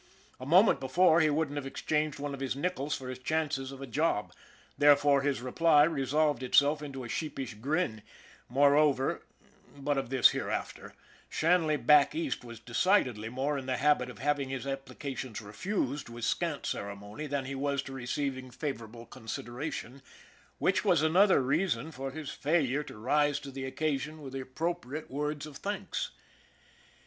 A moment before he wouldn't have exchanged one of his nickels for his chances of a job, therefore his reply resolved itself into a sheepish grin; moreover but of this hereafter Shanley back East was decidedly more in the habit of having his ap plications refused with scant ceremony than he was to receiving favorable consideration, which was another reason for his failure to rise to the occasion with ap propriate words of thanks.